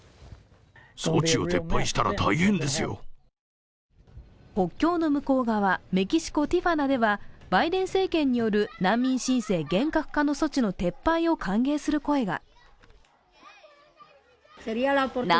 国境の向こう側、メキシコ・ティファナではバイデン政権による難民申請厳格化の措置の撤廃を歓迎する声が。